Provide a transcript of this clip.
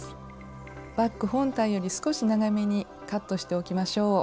バッグ本体より少し長めにカットしておきましょう。